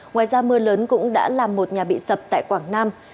ngoài ra mưa lớn cũng đã làm một nhà bị sập tại quảng nam